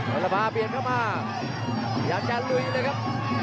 เพชรระบาลเปลี่ยนเข้ามาอยากจะลุยเลยครับ